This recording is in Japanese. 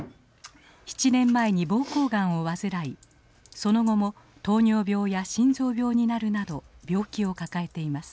７年前に膀胱がんを患いその後も糖尿病や心臓病になるなど病気を抱えています。